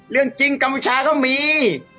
เรื่องจริงกับผู้ชายเขาก็มี